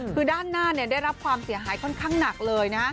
คือด้านหน้าได้รับความเสียหายค่อนข้างหนักเลยนะ